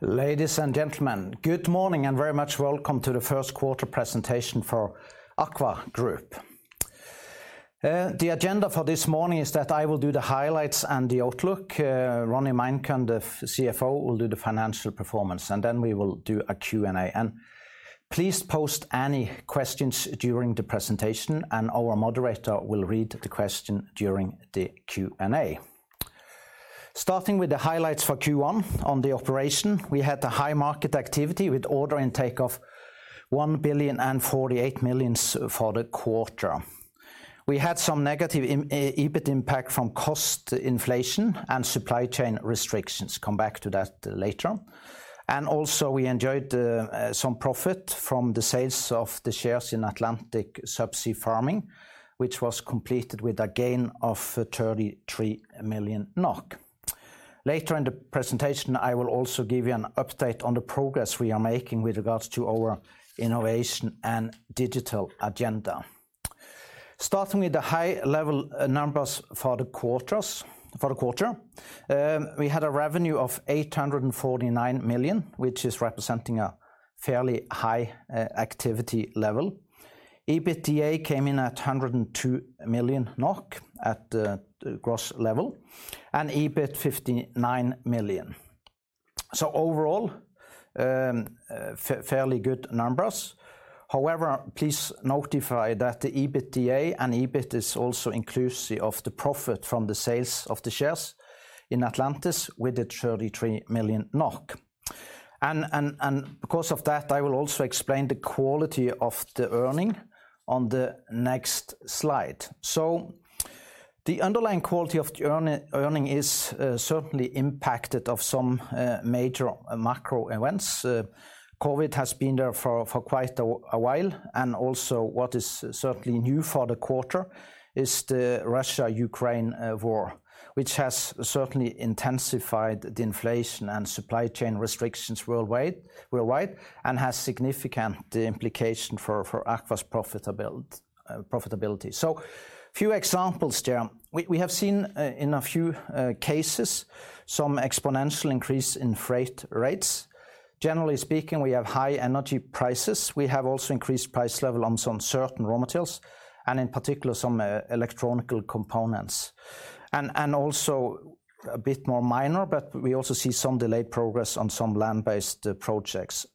Ladies and gentlemen, good morning and very much welcome to the first quarter presentation for AKVA Group. The agenda for this morning is that I will do the highlights and the outlook. Ronny Meinkøhn, the CFO, will do the financial performance, and then we will do a Q&A. Please post any questions during the presentation, and our moderator will read the question during the Q&A. Starting with the highlights for Q1 on the operation, we had a high market activity with order intake of 1,048 million for the quarter. We had some negative EBIT impact from cost inflation and supply chain restrictions. Come back to that later on. We enjoyed some profit from the sales of the shares in Atlantis Subsea Farming, which was completed with a gain of 33 million NOK. Later in the presentation, I will also give you an update on the progress we are making with regards to our innovation and digital agenda. Starting with the high level numbers for the quarter, we had a revenue of 849 million, which is representing a fairly high activity level. EBITDA came in at 102 million NOK at the group level, and EBIT 59 million. Overall, fairly good numbers. However, please note that the EBITDA and EBIT is also inclusive of the profit from the sales of the shares in Atlantis with the 33 million NOK. Because of that, I will also explain the quality of the earnings on the next slide. The underlying quality of the earnings is certainly impacted by some major macro events. COVID has been there for quite a while, and also what is certainly new for the quarter is the Russia-Ukraine war, which has certainly intensified the inflation and supply chain restrictions worldwide and has significant implication for AKVA's profitability. A few examples there. We have seen in a few cases some exponential increase in freight rates. Generally speaking, we have high energy prices. We have also increased price level on certain raw materials and in particular some electronic components. And also a bit more minor, but we also see some delayed progress on some land-based projects.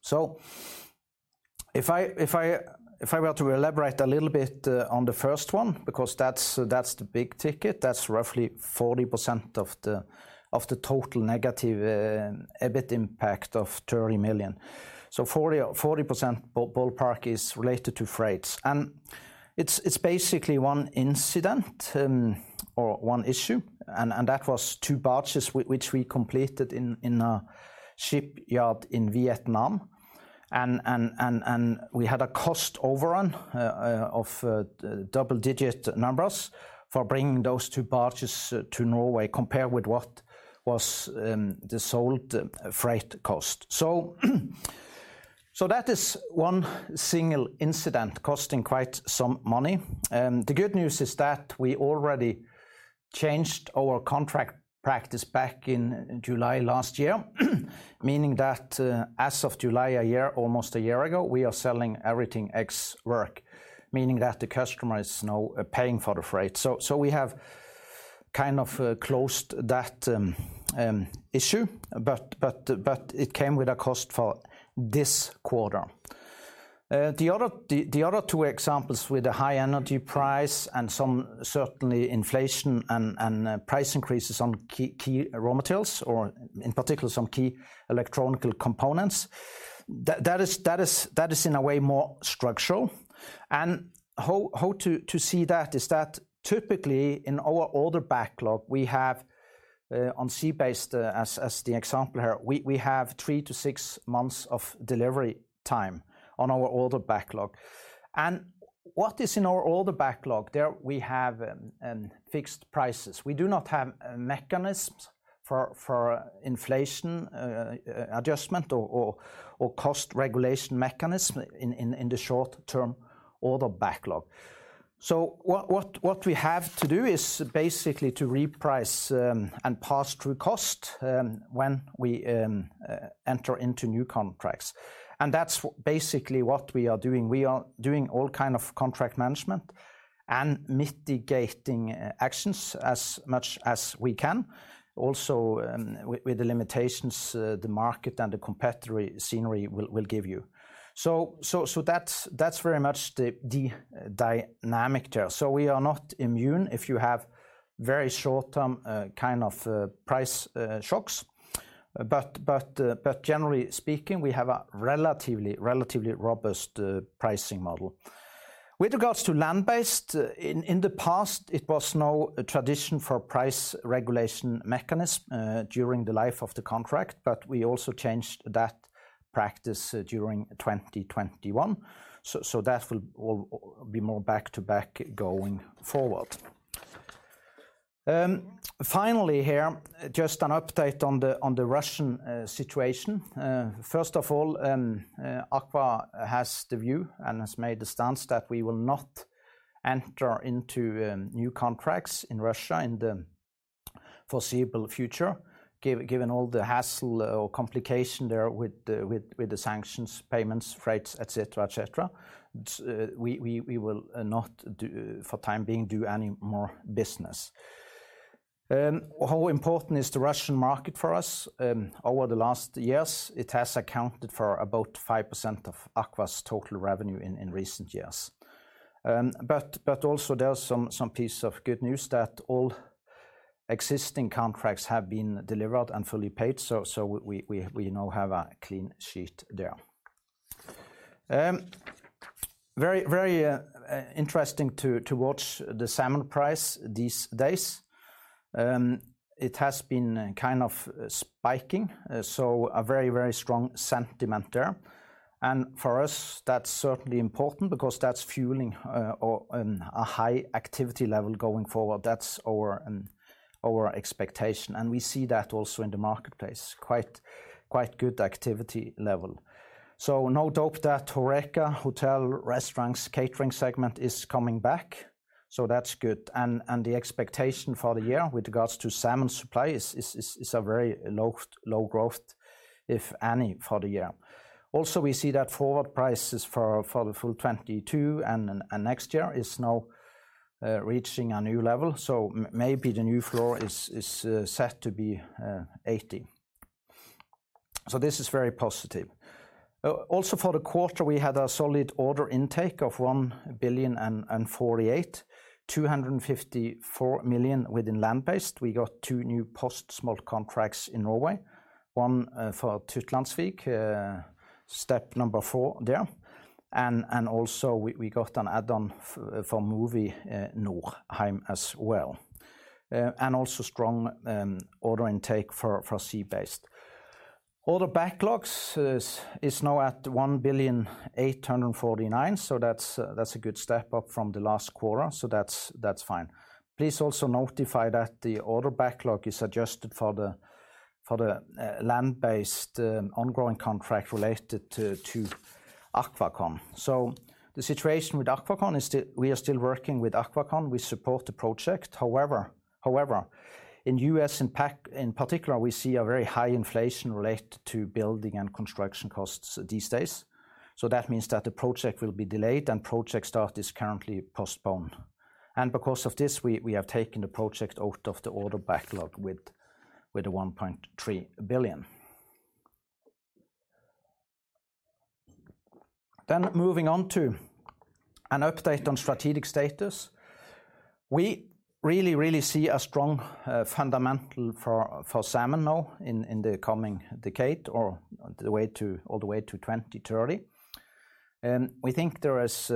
If I were to elaborate a little bit on the first one, because that's the big ticket, that's roughly 40% of the total negative EBIT impact of 30 million. 40% ballpark is related to freights. It's basically one incident or one issue, and that was two barges which we completed in a shipyard in Vietnam. We had a cost overrun of double-digit numbers for bringing those two barges to Norway compared with what was the sold freight cost. That is one single incident costing quite some money. The good news is that we already changed our contract practice back in July last year, meaning that as of July a year, almost a year ago, we are selling everything Ex Works, meaning that the customer is now paying for the freight. We have kind of closed that issue, but it came with a cost for this quarter. The other two examples with the high energy price and some certainly inflation and price increases on key raw materials or in particular some key electronic components, that is in a way more structural. How to see that is that typically in our order backlog, we have on Sea-Based, as the example here, we have three to six months of delivery time on our order backlog. What is in our order backlog, there we have fixed prices. We do not have mechanisms for inflation adjustment or cost regulation mechanism in the short-term order backlog. What we have to do is basically to reprice and pass through cost when we enter into new contracts. That's basically what we are doing. We are doing all kind of contract management and mitigating actions as much as we can, also with the limitations the market and the competitor scenario will give you. That's very much the dynamic there. We are not immune if you have very short-term kind of price shocks. Generally speaking, we have a relatively robust pricing model. With regards to land-based, in the past it was no tradition for price regulation mechanism during the life of the contract, but we also changed that practice during 2021. That will all be more back-to-back going forward. Finally here, just an update on the Russian situation. First of all, AKVA has the view and has made the stance that we will not enter into new contracts in Russia in the foreseeable future. Given all the hassle or complication there with the sanctions, payments, freights, et cetera, we will, for the time being, not do any more business. How important is the Russian market for us? Over the last years, it has accounted for about 5% of AKVA's total revenue in recent years. But also there are some piece of good news that all existing contracts have been delivered and fully paid, so we now have a clean sheet there. Very interesting to watch the salmon price these days. It has been kind of spiking, so a very, very strong sentiment there. For us, that's certainly important because that's fueling a high activity level going forward. That's our expectation, and we see that also in the marketplace, quite good activity level. No doubt that HORECA hotel, restaurants, catering segment is coming back, so that's good. The expectation for the year with regards to salmon supply is a very low growth, if any, for the year. Also, we see that forward prices for the full 2022 and next year is now reaching a new level, so maybe the new floor is set to be 80. This is very positive. Also for the quarter, we had a solid order intake of 1.048 billion. 254 million within land-based. We got two new post-smolt contracts in Norway, one for Tytlandsvik, step number four there. Also we got an add-on for Mowi, Nordheim as well. Also strong order intake for Sea-Based. Order backlog is now at 1,849 million, so that's a good step up from the last quarter, so that's fine. Please also note that the order backlog is adjusted for the land-based ongoing contract related to AquaCon. The situation with AquaCon is still. We are still working with AquaCon. We support the project. However. However, in the U.S. in particular, we see a very high inflation related to building and construction costs these days, so that means that the project will be delayed, and project start is currently postponed. Because of this, we have taken the project out of the order backlog with the 1.3 billion. Moving on to an update on strategic status. We really see a strong fundamental for salmon now in the coming decade or the way to, all the way to 2030. We think there is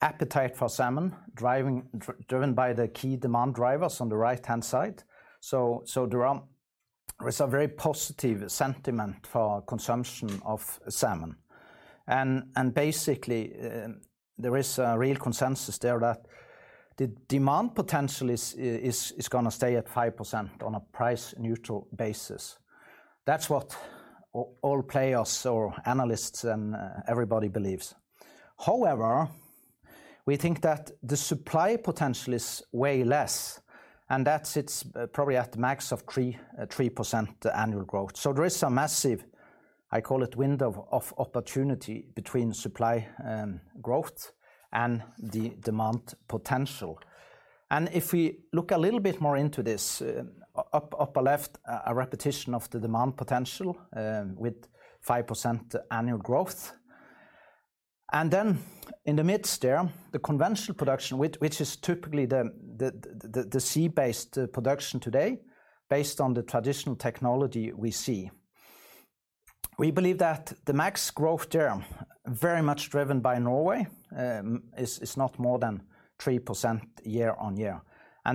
appetite for salmon, driven by the key demand drivers on the right-hand side. There is a very positive sentiment for consumption of salmon. Basically, there is a real consensus there that the demand potential is gonna stay at 5% on a price neutral basis. That's what all players or analysts and everybody believes. However, we think that the supply potential is way less, and that's probably at max of 3% annual growth. There is a massive, I call it window of opportunity between supply growth and the demand potential. If we look a little bit more into this, upper left, a repetition of the demand potential, with 5% annual growth. Then in the midst there, the conventional production, which is typically the sea-based production today based on the traditional technology we see. We believe that the max growth there, very much driven by Norway, is not more than 3% year-on-year.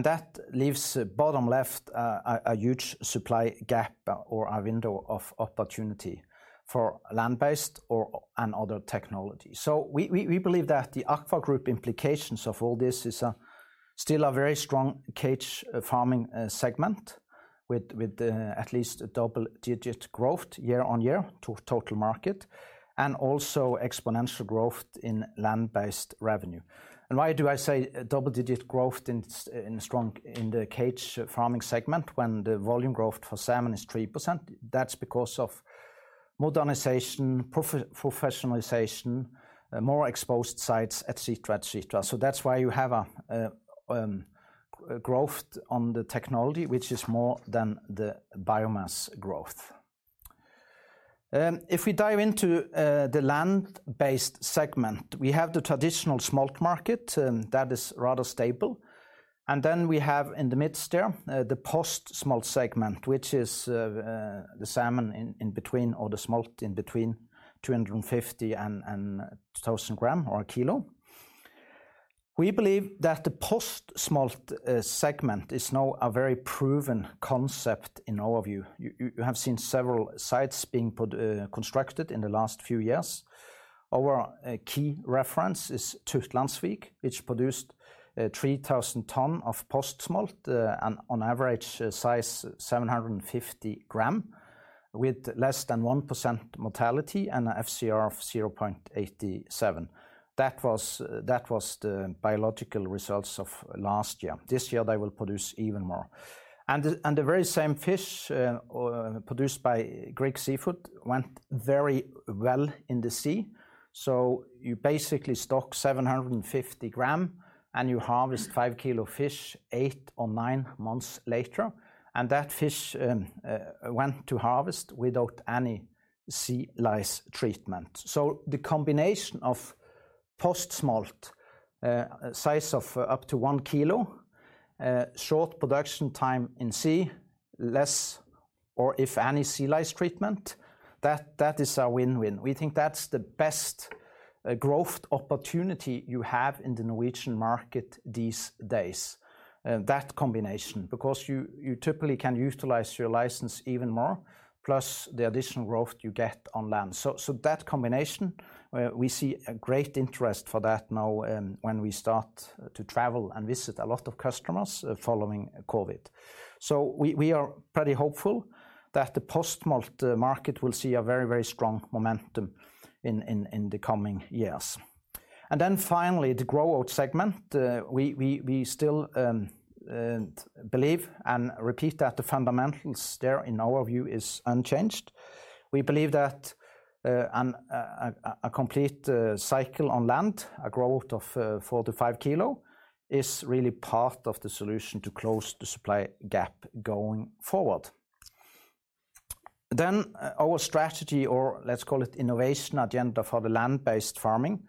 That leaves a huge supply gap or a window of opportunity for land-based and other technology. We believe that the AKVA Group implications of all this is still a very strong cage farming segment with at least double-digit growth year-on-year to total market and also exponential growth in land-based revenue. Why do I say double-digit growth in the cage farming segment when the volume growth for salmon is 3%? That's because of modernization, professionalization, more exposed sites, et cetera. That's why you have a growth on the technology which is more than the biomass growth. If we dive into the land-based segment, we have the traditional smolt market that is rather stable. Then we have in the midst there the post-smolt segment, which is the salmon in between or the smolt in between 250 and 1,000 gram or a kilo. We believe that the post-smolt segment is now a very proven concept in our view. You have seen several sites being constructed in the last few years. Our key reference is Tytlandsvik, which produced 3,000 tons of post-smolt and on average size 750 gram, with less than 1% mortality and a FCR of 0.87. That was the biological results of last year. This year they will produce even more. The very same fish produced by Grieg Seafood went very well in the sea. You basically stock 750 gram, and you harvest five kilo of fish eight or nine months later. That fish went to harvest without any sea lice treatment. The combination of post-smolt size of up to one kilo, short production time in sea, less or if any sea lice treatment, that is a win-win. We think that's the best growth opportunity you have in the Norwegian market these days, that combination. Because you typically can utilize your license even more, plus the additional growth you get on land. That combination, we see a great interest for that now when we start to travel and visit a lot of customers following COVID. We are pretty hopeful that the post-smolt market will see a very strong momentum in the coming years. Finally, the grow-out segment. We still believe and repeat that the fundamentals there in our view is unchanged. We believe that a complete cycle on land, a grow-out of four to five kilo, is really part of the solution to close the supply gap going forward. Our strategy, or let's call it innovation agenda for the land-based farming.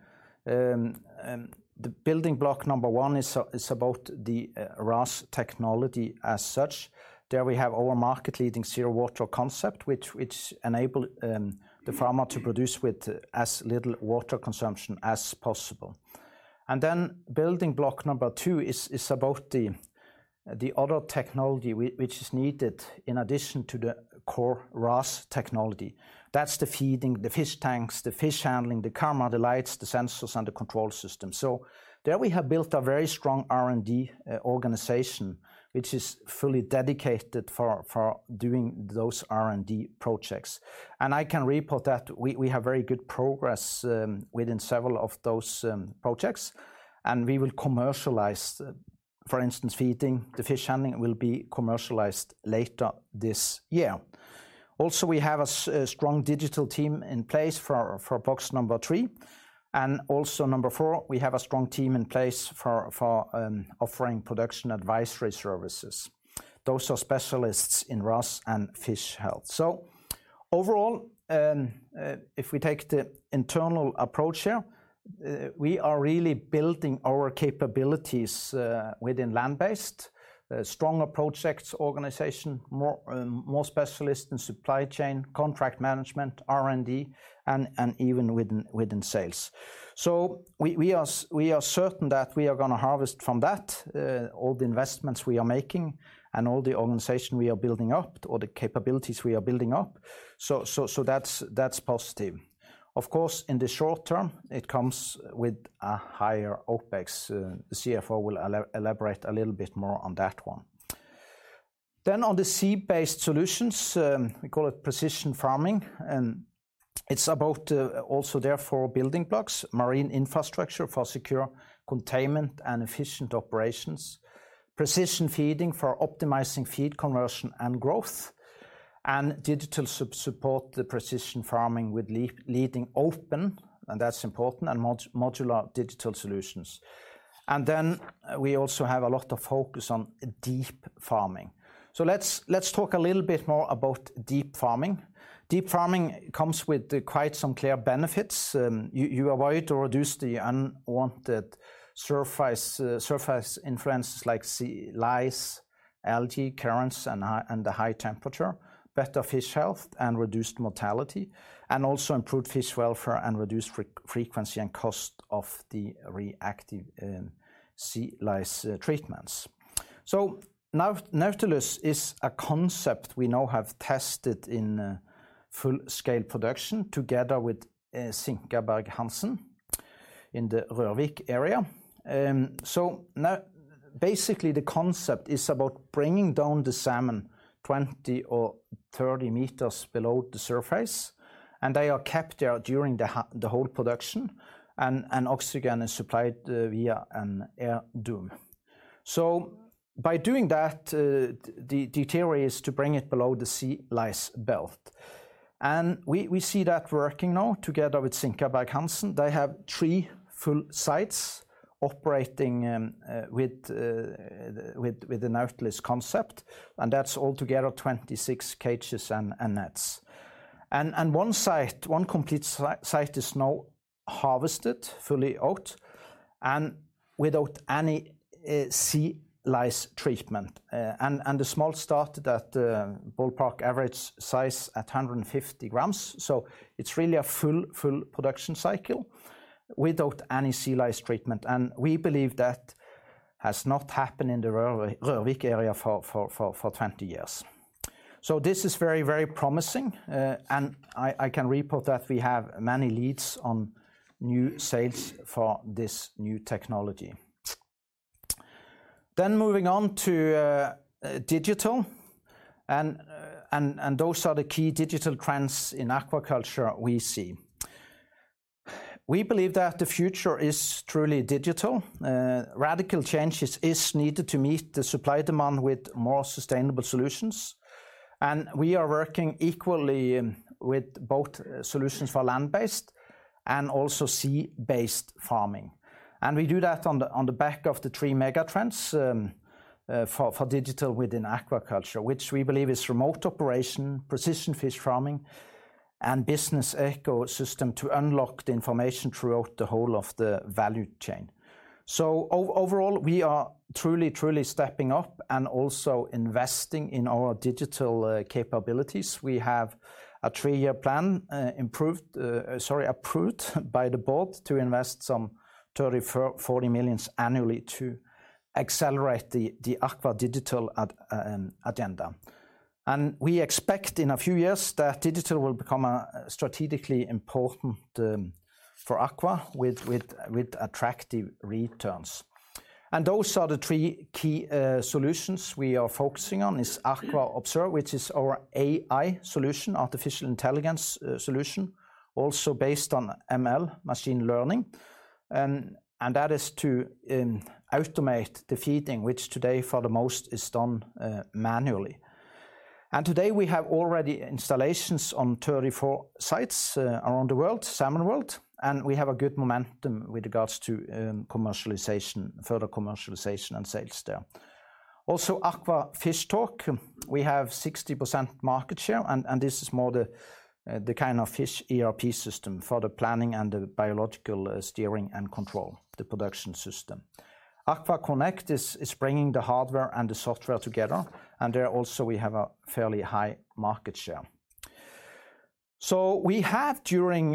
The building block number one is about the RAS technology as such. There we have our market-leading zero water concept, which enable the farmer to produce with as little water consumption as possible. Building block number two is about the other technology which is needed in addition to the core RAS technology. That's the feeding, the fish tanks, the fish handling, the camera, the lights, the sensors and the control system. There we have built a very strong R&D organization, which is fully dedicated for doing those R&D projects. I can report that we have very good progress within several of those projects, and we will commercialize. For instance, feeding, the fish handling will be commercialized later this year. Also, we have a strong digital team in place for box number three. Also number four, we have a strong team in place for offering production advisory services. Those are specialists in RAS and fish health. Overall, if we take the internal approach here, we are really building our capabilities within land-based, stronger projects, organization, more specialists in supply chain, contract management, R&D, and even within sales. We are certain that we are gonna harvest from that, all the investments we are making and all the organization we are building up, or the capabilities we are building up. That's positive. Of course, in the short term it comes with a higher OpEx. The CFO will elaborate a little bit more on that one. On the Sea-Based solutions, we call it precision farming, and it's about also therefore building blocks, marine infrastructure for secure containment and efficient operations. Precision feeding for optimizing feed conversion and growth. Digital support the precision farming with leading open, and that's important, and modular digital solutions. Then we also have a lot of focus on deep farming. Let's talk a little bit more about deep farming. Deep farming comes with quite some clear benefits. You avoid or reduce the unwanted surface influences like sea lice, algae, currents and high temperature. Better fish health and reduced mortality, and also improved fish welfare and reduced frequency and cost of the reactive sea lice treatments. Nautilus is a concept we now have tested in full scale production together with SinkaBerg-Hansen in the Rørvik area. Now basically the concept is about bringing down the salmon 20 or 30 meters below the surface, and they are kept there during the whole production and oxygen is supplied via an air dome. By doing that, the theory is to bring it below the sea lice belt and we see that working now together with SinkaBerg-Hansen. They have three full sites operating with the Nautilus concept, and that's altogether 26 cages and nets. One complete site is now harvested, fully out, and without any sea lice treatment. The smolt started at ballpark average size at 150 grams, so it's really a full production cycle. Without any sea lice treatment. We believe that has not happened in the Rørvik area for 20 years. This is very, very promising. I can report that we have many leads on new sales for this new technology. Moving on to digital and those are the key digital trends in aquaculture we see. We believe that the future is truly digital. Radical changes is needed to meet the supply demand with more sustainable solutions, and we are working equally with both solutions for land-based and also Sea-Based farming. We do that on the back of the three mega trends for digital within aquaculture, which we believe is remote operation, precision fish farming, and business ecosystem to unlock the information throughout the whole of the value chain. Overall, we are truly stepping up and also investing in our digital capabilities. We have a three-year plan approved by the board to invest some 40 million annually to accelerate the AKVA digital agenda. We expect in a few years that digital will become a strategically important for AKVA with attractive returns. Those are the three key solutions we are focusing on is AKVA observe, which is our AI solution, artificial intelligence solution, also based on ML, machine learning. That is to automate the feeding, which today for the most part is done manually. Today we have already installations on 34 sites around the world, salmon world, and we have a good momentum with regards to commercialization, further commercialization and sales there. Also, AKVA fishtalk, we have 60% market share, and this is more the kind of fish ERP system for the planning and the biological steering and control the production system. AKVA connect is bringing the hardware and the software together, and there also we have a fairly high market share. We have during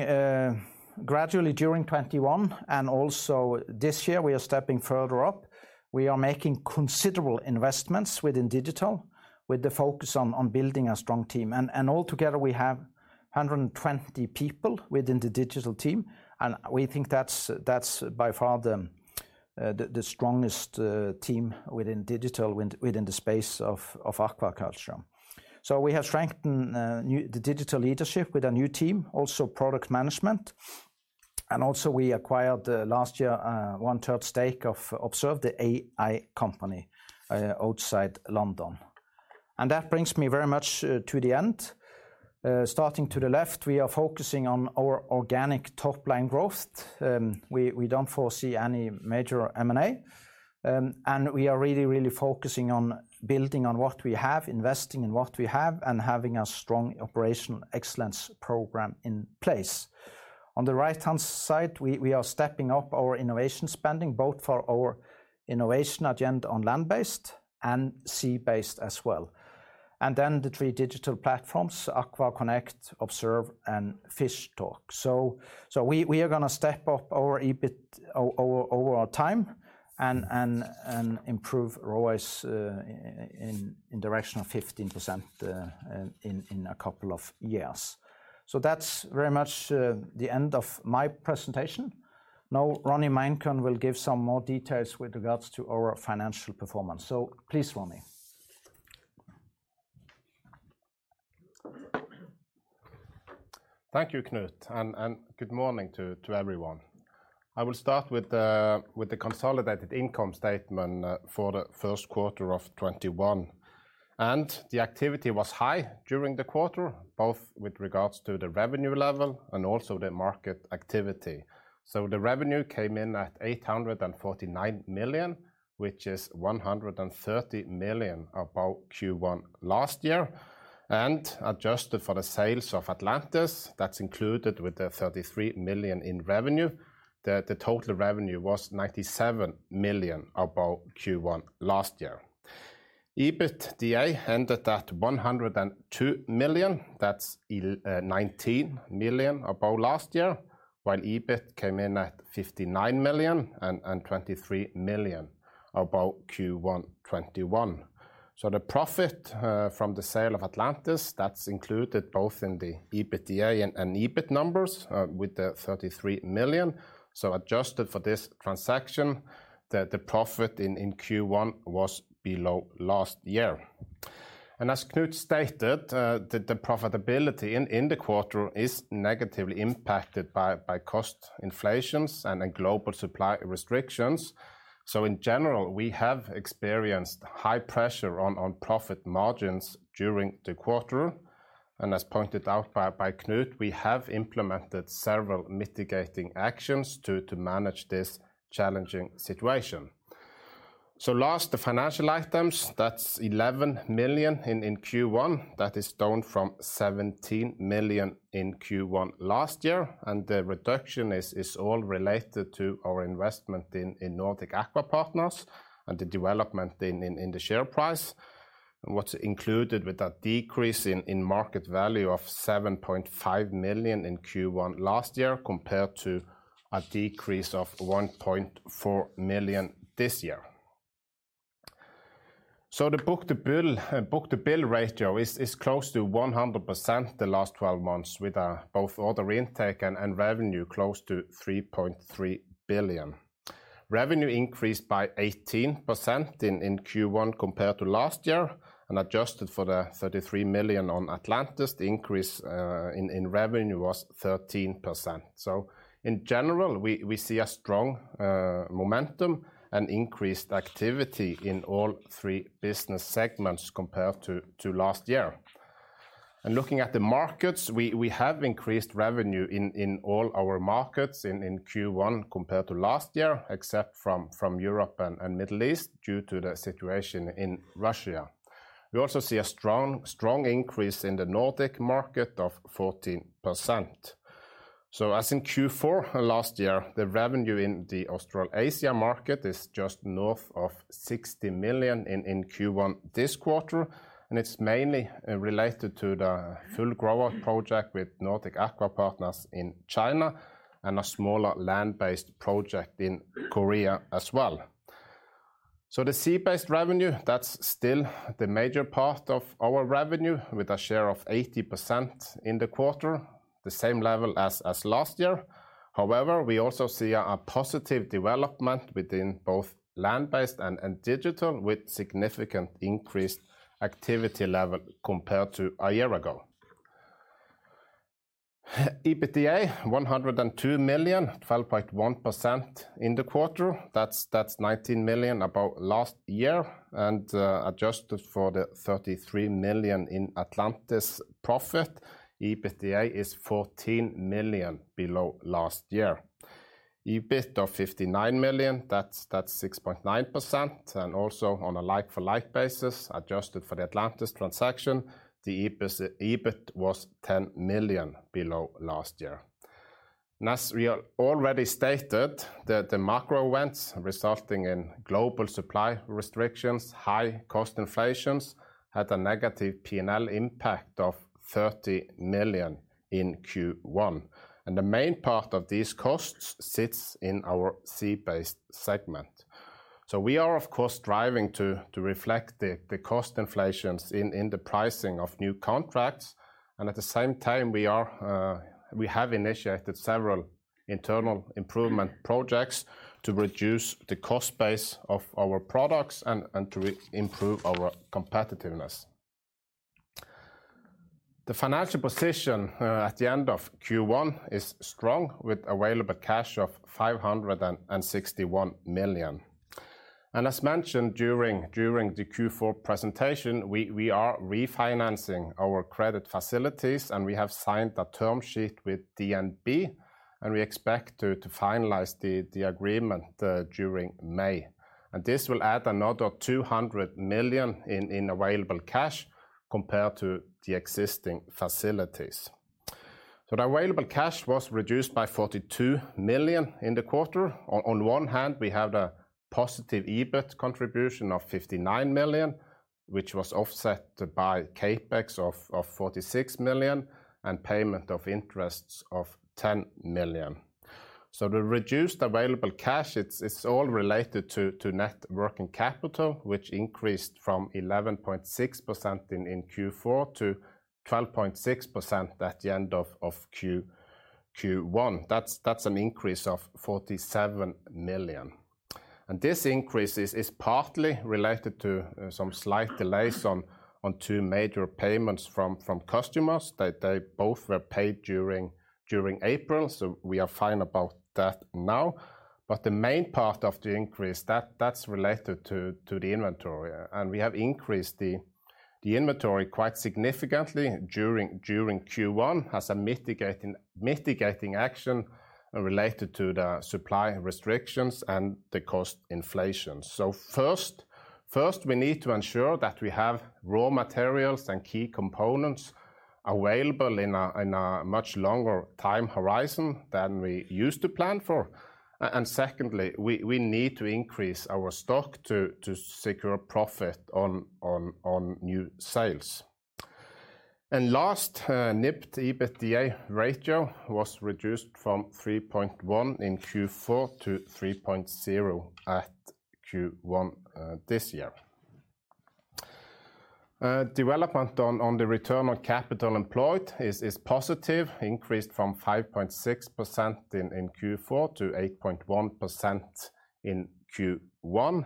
gradually during 2021 and also this year, we are stepping further up. We are making considerable investments within AKVA digital with the focus on building a strong team. Altogether, we have 120 people within the digital team, and we think that's by far the strongest team within digital within the space of aquaculture. We have strengthened the digital leadership with a new team, also product management. We acquired last year 1/3 stake of Observe, the AI company, outside London. That brings me very much to the end. Starting to the left, we are focusing on our organic top-line growth. We don't foresee any major M&A. We are really focusing on building on what we have, investing in what we have, and having a strong operational excellence program in place. On the right-hand side, we are stepping up our innovation spending, both for our innovation agenda on land-based and Sea-Based as well. The three digital platforms, AKVA connect, AKVA observe, and AKVA fishtalk. We are gonna step up our EBIT over time and improve ROIs in direction of 15%, in a couple of years. That's very much the end of my presentation. Now, Ronny Meinkøhn will give some more details with regards to our financial performance. Please, Ronny Meinkøhn. Thank you, Knut, and good morning to everyone. I will start with the consolidated income statement for the first quarter of 2021. The activity was high during the quarter, both with regards to the revenue level and also the market activity. The revenue came in at 849 million, which is 130 million above Q1 last year. Adjusted for the sales of Atlantis, that's included with the 33 million in revenue. The total revenue was 97 million above Q1 last year. EBITDA ended at 102 million. That's 19 million above last year, while EBIT came in at 59 million and 23 million above Q1 2021. The profit from the sale of Atlantis, that's included both in the EBITDA and EBIT numbers with the 33 million. Adjusted for this transaction, the profit in Q1 was below last year. As Knut stated, the profitability in the quarter is negatively impacted by cost inflation and then global supply restrictions. In general, we have experienced high pressure on profit margins during the quarter. As pointed out by Knut, we have implemented several mitigating actions to manage this challenging situation. Lastly, the financial items, that's 11 million in Q1. That is down from 17 million in Q1 last year, and the reduction is all related to our investment in Nordic Aqua Partners and the development in the share price. What's included with that decrease in market value of 7.5 million in Q1 last year compared to a decrease of 1.4 million this year. The book-to-bill ratio is close to 100% the last 12 months, with both order intake and revenue close to 3.3 billion. Revenue increased by 18% in Q1 compared to last year, and adjusted for the 33 million on Atlantis, the increase in revenue was 13%. In general, we see a strong momentum and increased activity in all three business segments compared to last year. Looking at the markets, we have increased revenue in all our markets in Q1 compared to last year, except from Europe and Middle East, due to the situation in Russia. We also see a strong increase in the Nordic market of 14%. As in Q4 last year, the revenue in the Australasia market is just north of 60 million in Q1 this quarter. It's mainly related to the full grower project with Nordic Aqua Partners in China and a smaller land-based project in Korea as well. The Sea-Based revenue, that's still the major part of our revenue with a share of 80% in the quarter, the same level as last year. However, we also see a positive development within both land-based and digital with significant increased activity level compared to a year ago. EBITDA 102 million, 12.1% in the quarter. That's 19 million above last year. Adjusted for the 33 million in Atlantis profit, EBITDA is 14 million below last year. EBIT of 59 million, that's 6.9%. Also on a like-for-like basis, adjusted for the Atlantis transaction, the EBIT was 10 million below last year. As we already stated, the macro events resulting in global supply restrictions, high cost inflations, had a negative P&L impact of 30 million in Q1. The main part of these costs sits in our Sea-Based segment. We are, of course, striving to reflect the cost inflations in the pricing of new contracts, and at the same time we have initiated several internal improvement projects to reduce the cost base of our products and to improve our competitiveness. The financial position at the end of Q1 is strong, with available cash of 561 million. As mentioned during the Q4 presentation, we are refinancing our credit facilities, and we have signed a term sheet with DNB, and we expect to finalize the agreement during May. This will add another 200 million in available cash compared to the existing facilities. The available cash was reduced by 42 million in the quarter. On one hand, we have the positive EBIT contribution of 59 million, which was offset by CapEx of 46 million and payment of interests of 10 million. The reduced available cash, it's all related to net working capital, which increased from 11.6% in Q4 to 12.6% at the end of Q1. That's an increase of 47 million. This increase is partly related to some slight delays on two major payments from customers. They both were paid during April, so we are fine about that now. The main part of the increase, that's related to the inventory. We have increased the inventory quite significantly during Q1 as a mitigating action related to the supply restrictions and the cost inflation. First, we need to ensure that we have raw materials and key components available in a much longer time horizon than we used to plan for. Secondly, we need to increase our stock to secure profit on new sales. Last, NIBD/EBITDA ratio was reduced from 3.1 in Q4 to 3.0 at Q1 this year. Development on the return on capital employed is positive, increased from 5.6% in Q4 to 8.1% in Q1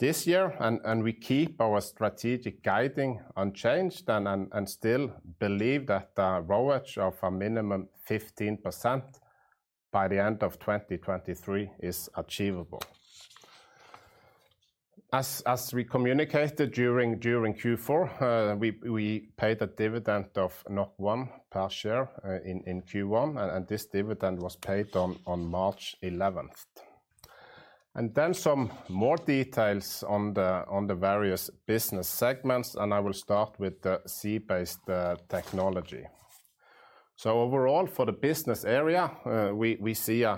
this year. We keep our strategic guidance unchanged and still believe that the ROACE of a minimum 15% by the end of 2023 is achievable. As we communicated during Q4, we paid a dividend of 1 per share in Q1, and this dividend was paid on March 11. Some more details on the various business segments, and I will start with the Sea-Based technology. Overall for the business area, we see a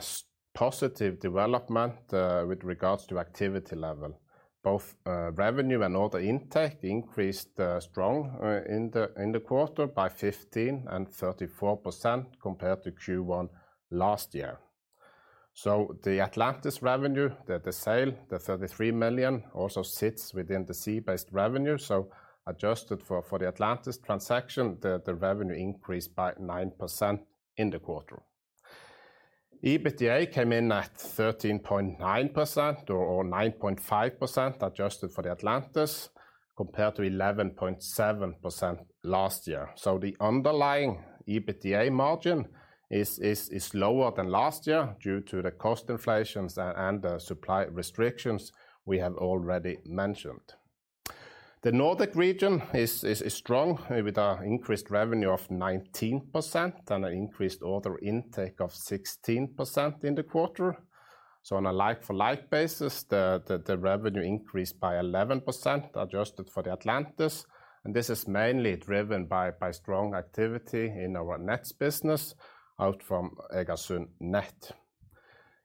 positive development with regards to activity level. Both revenue and order intake increased strongly in the quarter by 15% and 34% compared to Q1 last year. The Atlantis revenue, the sale, the 33 million also sits within the Sea-Based revenue, so adjusted for the Atlantis transaction, the revenue increased by 9% in the quarter. EBITDA came in at 13.9% or 9.5% adjusted for the Atlantis, compared to 11.7% last year. The underlying EBITDA margin is lower than last year due to the cost inflation and the supply restrictions we have already mentioned. The Nordic region is strong with an increased revenue of 19% and an increased order intake of 16% in the quarter. On a like for like basis, the revenue increased by 11% adjusted for the Atlantis, and this is mainly driven by strong activity in our nets business out from Egersund Net.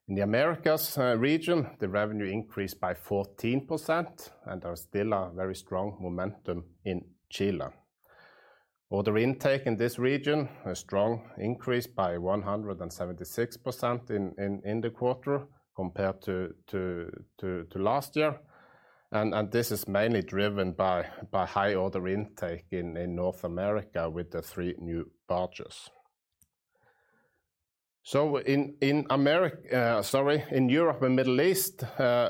In the Americas region, the revenue increased by 14% and there's still very strong momentum in Chile. Order intake in this region saw a strong increase by 176% in the quarter compared to last year and this is mainly driven by high order intake in North America with the three new barges. In Europe and Middle East,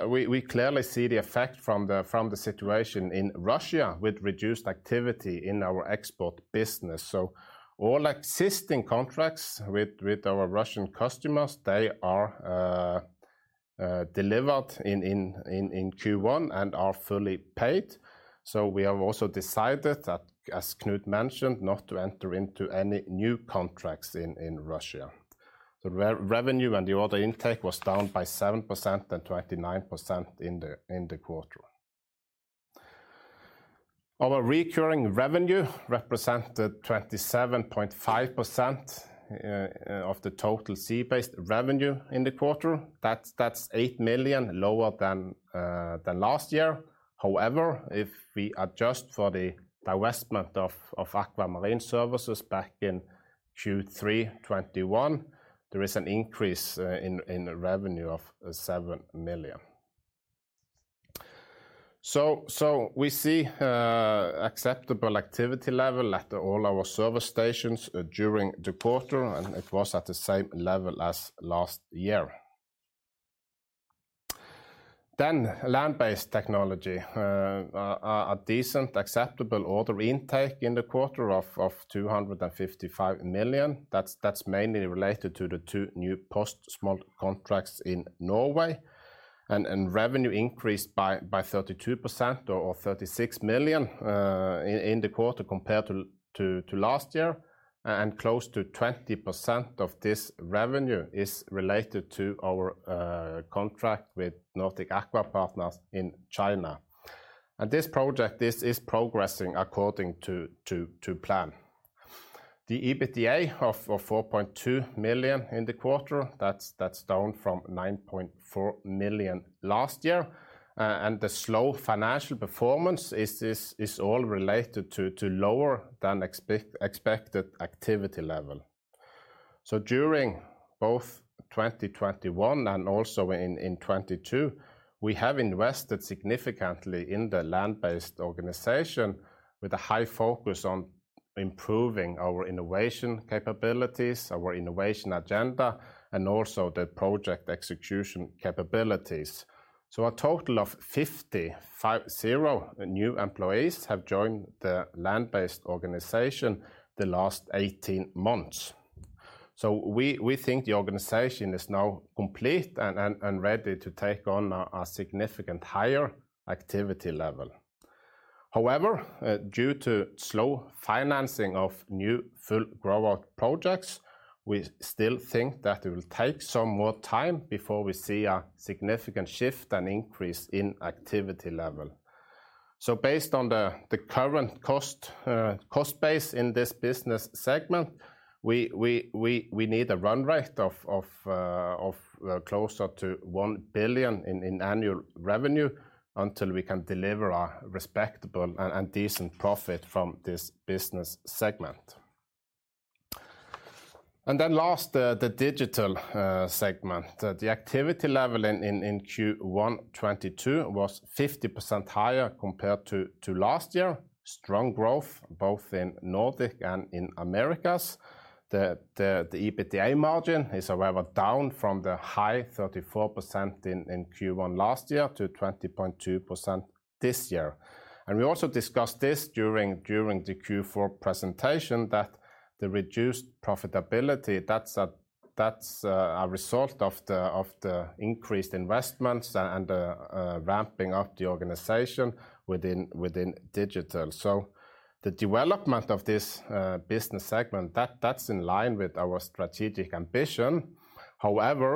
we clearly see the effect from the situation in Russia with reduced activity in our export business. All existing contracts with our Russian customers, they are delivered in Q1 and are fully paid. We have also decided that, as Knut mentioned, not to enter into any new contracts in Russia. The revenue and the order intake was down by 7% and 29% in the quarter. Our recurring revenue represented 27.5% of the total Sea-Based revenue in the quarter. That's 8 million lower than last year. However, if we adjust for the divestment of AKVA Marine Services back in Q3 2021, there is an increase in revenue of 7 million. We see acceptable activity level at all our service stations during the quarter, and it was at the same level as last year. Land-based technology. A decent acceptable order intake in the quarter of 255 million. That's mainly related to the two new post-smolt contracts in Norway. Revenue increased by 32% or 36 million in the quarter compared to last year. Close to 20% of this revenue is related to our contract with Nordic Aqua Partners in China. This project is progressing according to plan. The EBITDA of 4.2 million in the quarter, that's down from 9.4 million last year. The slow financial performance is all related to lower than expected activity level. During both 2021 and also in 2022, we have invested significantly in the land-based organization with a high focus on improving our innovation capabilities, our innovation agenda, and also the project execution capabilities. A total of 550 new employees have joined the land-based organization the last 18 months. We think the organization is now complete and ready to take on a significant higher activity level. However, due to slow financing of new full grow out projects, we still think that it will take some more time before we see a significant shift and increase in activity level. Based on the current cost base in this business segment, we need a run rate of closer to 1 billion in annual revenue until we can deliver a respectable and decent profit from this business segment. Then lastly, the digital segment. The activity level in Q1 2022 was 50% higher compared to last year. Strong growth both in Nordic and in Americas. The EBITDA margin is however down from the high 34% in Q1 last year to 20.2% this year. We also discussed this during the Q4 presentation that the reduced profitability, that's a result of the increased investments and ramping up the organization within digital. The development of this business segment, that's in line with our strategic ambition. However,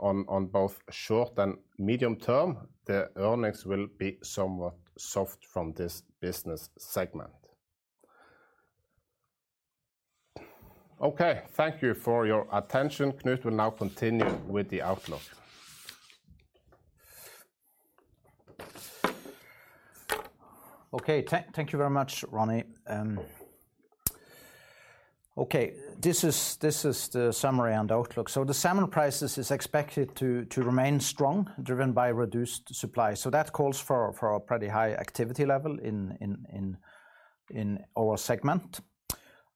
on both short and medium term, the earnings will be somewhat soft from this business segment. Okay. Thank you for your attention. Knut will now continue with the outlook. Okay. Thank you very much, Ronny. This is the summary and outlook. The salmon prices is expected to remain strong, driven by reduced supply. That calls for a pretty high activity level in our segment.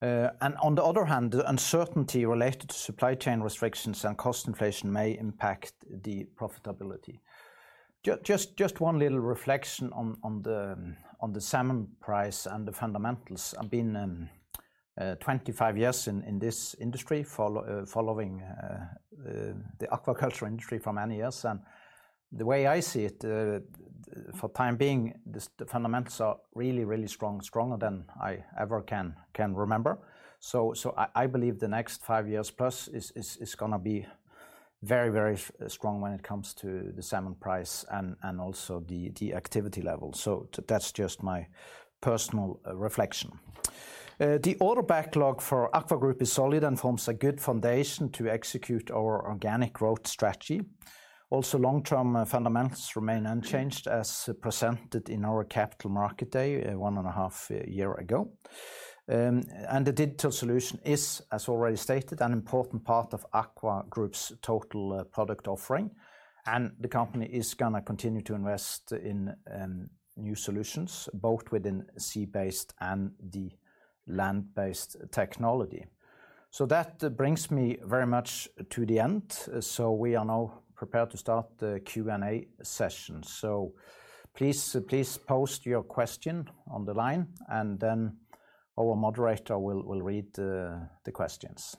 On the other hand, the uncertainty related to supply chain restrictions and cost inflation may impact the profitability. Just one little reflection on the salmon price and the fundamentals. I've been 25 years in this industry, following the aquaculture industry for many years, and the way I see it, for the time being, the fundamentals are really strong, stronger than I ever can remember. I believe the next five years plus is gonna be very strong when it comes to the salmon price and also the activity level. That's just my personal reflection. The order backlog for AKVA Group is solid and forms a good foundation to execute our organic growth strategy. Also, long-term fundamentals remain unchanged as presented in our capital market day 1.5 year ago. The digital solution is, as already stated, an important part of AKVA Group's total product offering, and the company is gonna continue to invest in new solutions, both within Sea-Based and the land-based technology. That brings me very much to the end, so we are now prepared to start the Q&A session. Please post your question on the line, and then our moderator will read the questions.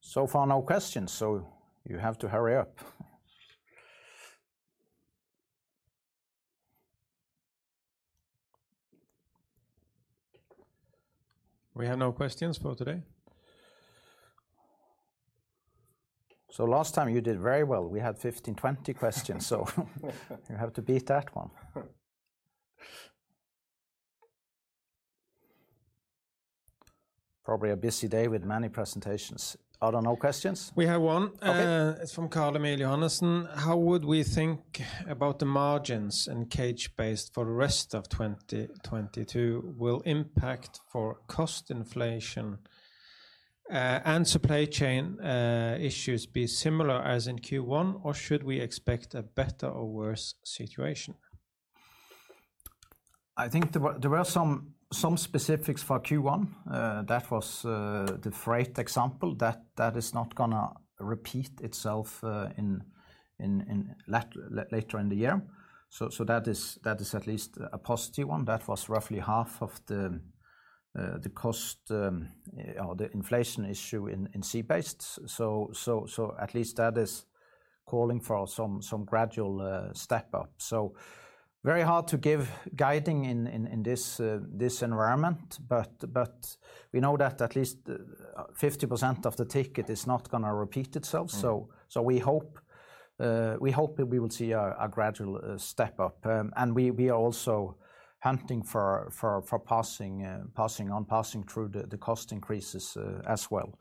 So far, no questions, so you have to hurry up. We have no questions for today? Last time you did very well. We had 15, 20 questions. You have to beat that one. Probably a busy day with many presentations. Are there no questions? We have one. Okay. It's from Carl Emil Johannessen. How would we think about the margins in cage-based for the rest of 2022? Will the impact of cost inflation, and supply chain issues be similar as in Q1, or should we expect a better or worse situation? I think there were some specifics for Q1. That was the freight example. That is not gonna repeat itself later in the year. That is at least a positive one. That was roughly half of the cost or the inflation issue in Sea-Based. At least that is calling for some gradual step-up. Very hard to give guidance in this environment, but we know that at least 50% of the ticket is not gonna repeat itself. Mm. We hope that we will see a gradual step-up. We are also hunting for passing through the cost increases as well.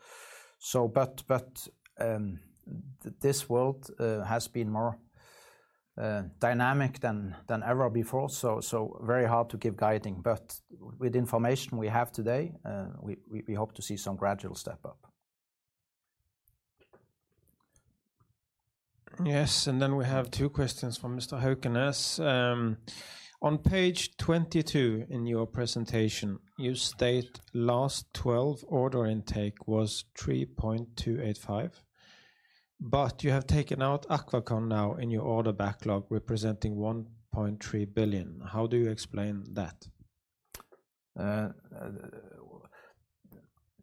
This world has been more dynamic than ever before, very hard to give guidance. With information we have today, we hope to see some gradual step-up. Yes. We have two questions from Mr. Hokeness. On page 22 in your presentation, you state last 12 order intake was 3.285 billion, but you have taken out AquaCon now in your order backlog, representing 1.3 billion. How do you explain that?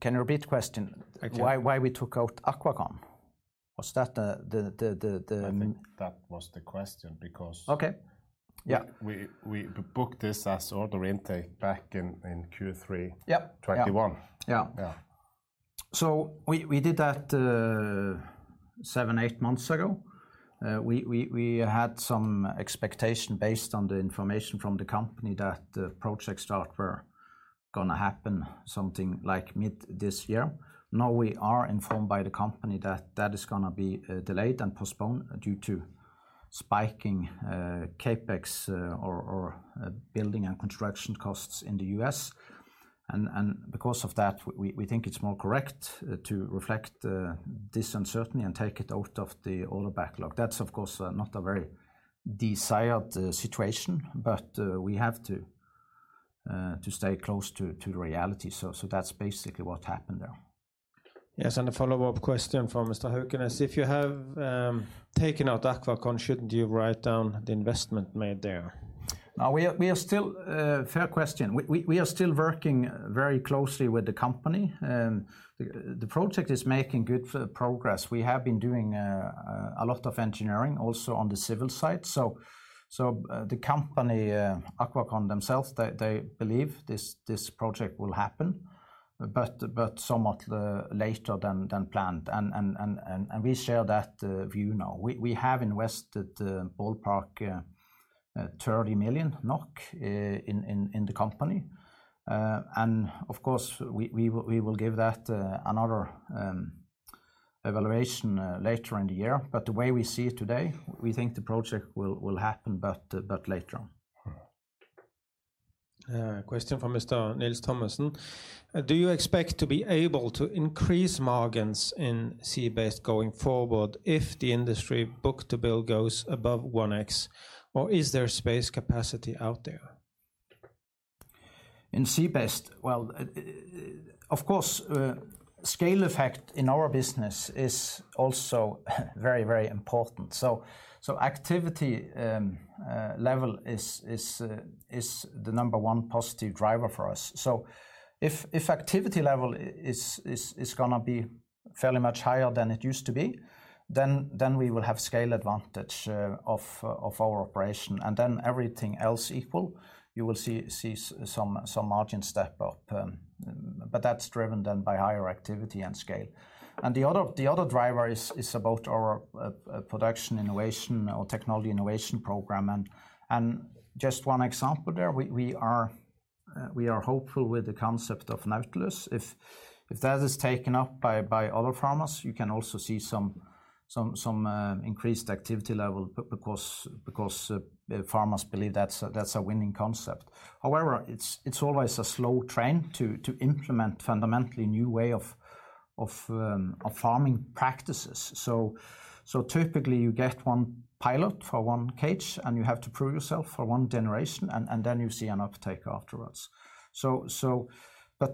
Can you repeat the question? Again. Why we took out AquaCon? Was that the- I think that was the question. Okay. Yeah We booked this as order intake back in Q3. Yeah 21. Yeah. Yeah. We did that seven to eight months ago. We had some expectation based on the information from the company that the project start were gonna happen something like mid this year. Now we are informed by the company that that is gonna be delayed and postponed due to spiking CapEx or building and construction costs in the U.S. Because of that, we think it's more correct to reflect this uncertainty and take it out of the order backlog. That's, of course, not a very desired situation, but we have to stay close to reality. That's basically what happened there. Yes. A follow-up question from Mr. Hokeness. If you have taken out AquaCon, shouldn't you write down the investment made there? Fair question. We are still working very closely with the company. The project is making good progress. We have been doing a lot of engineering also on the civil side. The company, AquaCon themselves, they believe this project will happen but somewhat later than planned. We share that view now. We have invested ballpark 30 million NOK in the company. Of course, we will give that another evaluation later in the year. The way we see it today, we think the project will happen but later on. Question from Mr. Nils Thomassen. Do you expect to be able to increase margins in Sea-Based going forward if the industry book-to-bill goes above 1x, or is there excess capacity out there? In Sea-Based, of course, scale effect in our business is also very, very important. Activity level is the number one positive driver for us. If activity level is gonna be fairly much higher than it used to be, then we will have scale advantage of our operation, and then everything else equal, you will see some margin step up. That's driven by higher activity and scale. The other driver is about our production innovation or technology innovation program and just one example there, we are hopeful with the concept of Nautilus. If that is taken up by other farmers, you can also see some increased activity level because the farmers believe that's a winning concept. However, it's always a slow trend to implement fundamentally new way of farming practices. Typically you get one pilot for one cage, and you have to prove yourself for one generation, and then you see an uptake afterwards.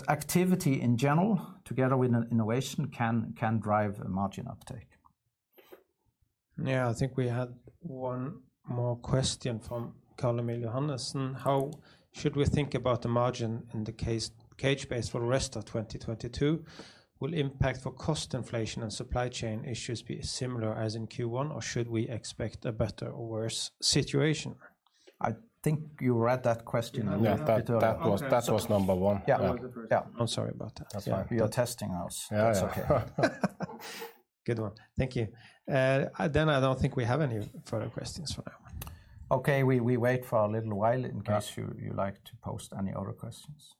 Activity in general, together with an innovation, can drive a margin uptake. Yeah. I think we had one more question from Carl Emil Johannessen. How should we think about the margin in the case Sea-Based for the rest of 2022? Will the impact of cost inflation and supply chain issues be similar as in Q1, or should we expect a better or worse situation? I think you read that question a little bit earlier. Yeah. That was number one. Okay. I'm sorry. Yeah. That was the first one. Yeah. I'm sorry about that. That's fine. You are testing us. Yeah, yeah. That's okay. Good one. Thank you. I don't think we have any further questions for now. Okay, we wait for a little while. Yeah In case you'd like to post any other questions.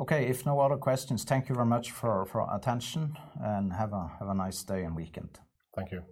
Okay, if no other questions, thank you very much for attention, and have a nice day and weekend. Thank you. Thanks.